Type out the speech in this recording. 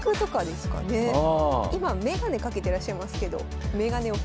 今眼鏡かけてらっしゃいますけど眼鏡奥。